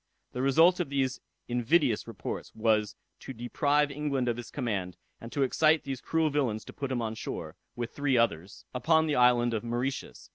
The result of these invidious reports was to deprive England of his command, and to excite these cruel villains to put him on shore, with three others, upon the island of Mauritius.